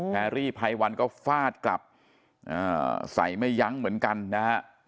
แพรรี่ไพรวันก็ฟาดกลับใส่ไม่ยั้งเหมือนกันนะฮะ